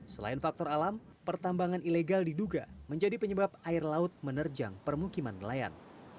selain faktor alam pertambangan ilegal diduga menjadi penyebab air laut menerjang permukiman nelayan